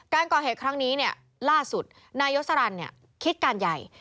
การก่อเหตุครั้งนี้ล่าสุดนายยศรันคิดการใหญ่